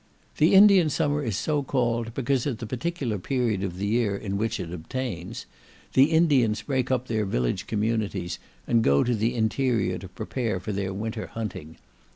"The Indian summer is so called because, at the particular period of the year in which it obtains, the Indians break up their village communities, and go to the interior to prepare for their winter hunting.